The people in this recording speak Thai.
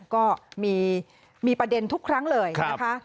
ก็มีประเด็นทุกครั้งเลยนะคะ